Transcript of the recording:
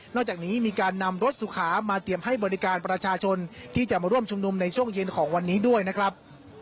จากนี้มีการนำรถสุขามาเตรียมให้บริการประชาชนที่จะมาร่วมชุมนุมในช่วงเย็นของวันนี้ด้วยนะครับ